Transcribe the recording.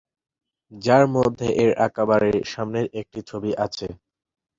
যার মধ্যে এর আঁকা বাড়ির সামনের একটা ছবি আছে।